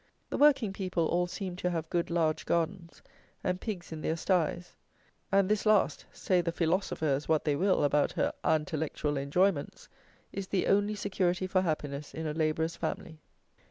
The working people all seem to have good large gardens, and pigs in their styes; and this last, say the feelosofers what they will about her "antallectual enjoyments," is the only security for happiness in a labourer's family.